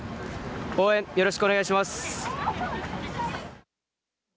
応援よろしくお願いします。